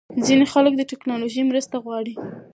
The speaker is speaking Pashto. ځینې خلک د ټېکنالوژۍ مرسته غواړي.